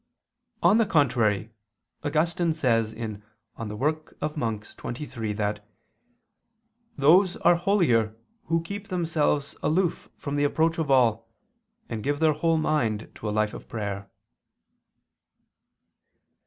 On the contrary, Augustine says (De oper. Monach. xxiii) that "those are holier who keep themselves aloof from the approach of all, and give their whole mind to a life of prayer."